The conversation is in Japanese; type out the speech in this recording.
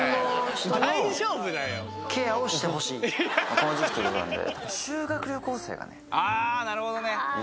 この時期ということなんで。